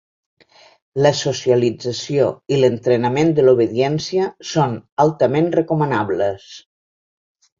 La socialització i l'entrenament de l'obediència són altament recomanables.